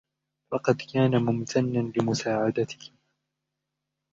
لقد كان ممتناً لمساعدتك.